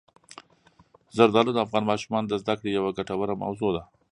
زردالو د افغان ماشومانو د زده کړې یوه ګټوره موضوع ده.